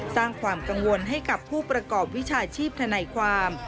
สร้างความกังวลให้กับผู้ประกอบวิชาชีพธนายความ